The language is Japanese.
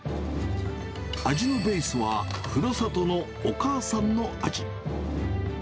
味のベースは、ふるさとのお母さんの味。